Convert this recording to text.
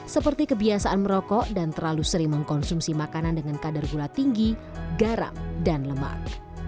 seperti kebiasaan merokok dan terlalu sering mengkonsumsi makanan dengan kadar gula tinggi garam dan lemak